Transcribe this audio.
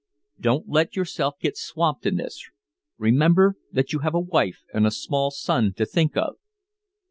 Don't let yourself get swamped in this remember that you have a wife and a small son to think of."